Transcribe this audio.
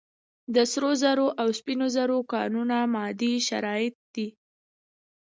د سرو زرو او سپینو زرو کانونه مادي شرایط دي.